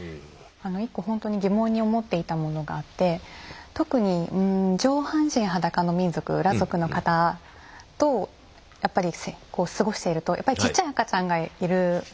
一個ほんとに疑問に思っていたものがあって特に上半身裸の民族裸族の方と過ごしているとやっぱりちっちゃい赤ちゃんがいるわけですよね。